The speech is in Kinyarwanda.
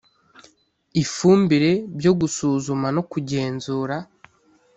Ifumbire Byo Gusuzuma No Kugenzura